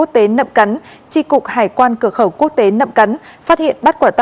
tại quận thanh xuân